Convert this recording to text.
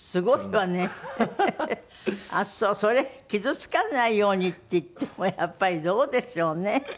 それ傷つかないようにっていってもやっぱりどうでしょうね。